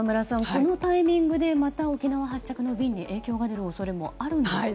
このタイミングでまた沖縄発着の便に影響が出る恐れもあるんですか。